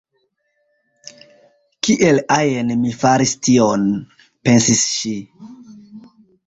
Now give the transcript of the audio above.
“Kiel ajn mi faris tion?” pensis ŝi.